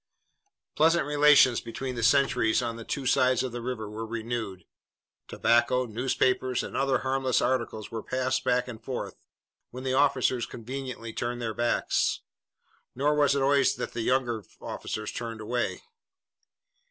Pleasant relations between the sentries on the two sides of the river were renewed. Tobacco, newspapers, and other harmless articles were passed back and forth, when the officers conveniently turned their backs. Nor was it always that the younger officers turned away.